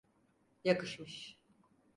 Yakışmış.